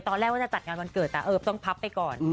ตอนแรกว่าจะจัดงานวันเกิดแต่เออต้องพับไปก่อน